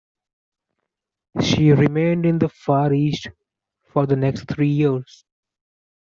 She remained in the Far East for the next three years.